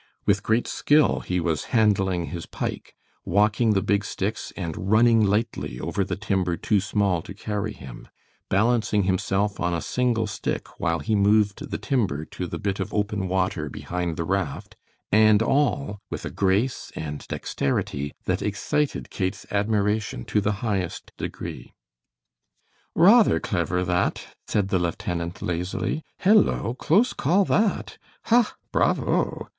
With great skill he was handling his pike, walking the big sticks and running lightly over the timber too small to carry him, balancing himself on a single stick while he moved the timber to the bit of open water behind the raft, and all with a grace and dexterity that excited Kate's admiration to the highest degree. "Rather clever, that," said the lieutenant, lazily. "Hello! close call, that; ha! bravo!"